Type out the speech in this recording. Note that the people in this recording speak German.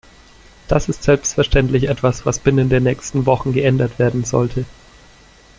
Das ist selbstverständlich etwas, was binnen der nächsten Wochen geändert werden sollte.